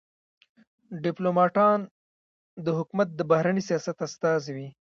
ډيپلوماټان د حکومت د بهرني سیاست استازي وي.